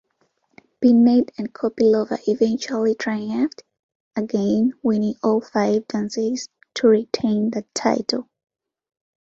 Bennett and Kopylova eventually triumphed, again winning all five dances to retain the title.